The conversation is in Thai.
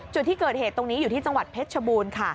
จุดที่เกิดเหตุตรงนี้อยู่ที่จังหวัดเพชรชบูรณ์ค่ะ